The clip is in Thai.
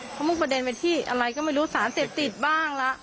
เขามุ่งประเด็นไปที่อะไรก็ไม่รู้สารเสพติดบ้างละ